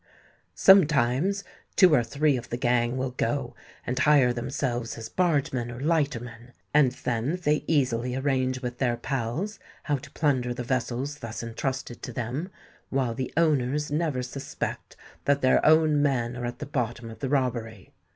"Sometimes two or three of the gang will go and hire themselves as bargemen or lightermen; and then they easily arrange with their pals how to plunder the vessels thus entrusted to them, while the owners never suspect that their own men are at the bottom of the robbery.